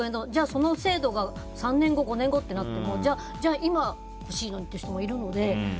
その制度が３年後、５年後となってもじゃあ、今、欲しいのにっていう人もいるので。